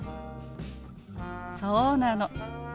そうなの。